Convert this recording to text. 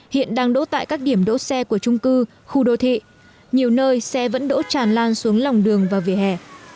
hiện đang đỗ tại các điểm đỗ xe của trung cư khu đô thị nhiều nơi xe vẫn đỗ tràn lan xuống lòng đường và vỉa hè